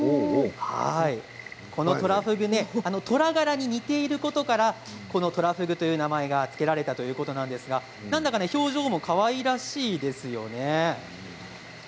このトラフグ虎柄に似ていることからトラフグという名前が付けられたということなんですが何だか表情もかわいらしいですよね。